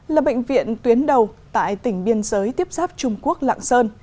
là bệnh viện tuyến đầu tại tỉnh biên giới tiếp giáp trung quốc lạng sơn